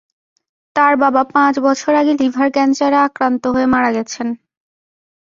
তার বাবা পাঁচ বছর আগে লিভার ক্যানসারে আক্রান্ত হয়ে মারা গেছেন।